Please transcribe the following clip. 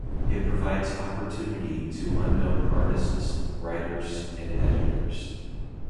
It provides opportunity to unknown artists, writers and editors.